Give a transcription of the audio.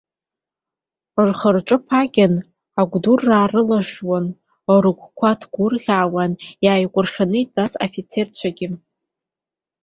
Рхырҿқәа ԥагьан, агәадура рылжжуан, рыгәқәа ҭгәырӷьаауан иааикәыршаны итәаз афицерцәагьы.